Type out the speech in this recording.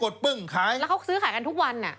ซื้อขายกันทุกวัน